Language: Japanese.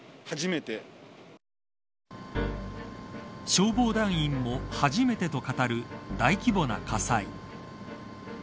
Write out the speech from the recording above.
消防団員も初めてと語る大規模な火災。